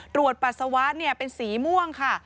ปัสสาวะเป็นสีม่วงค่ะ